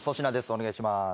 お願いします。